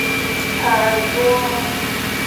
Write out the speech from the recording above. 这周进度可以说很多